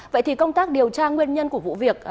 vậy thì công tác điều tra nguyên nhân của vụ việc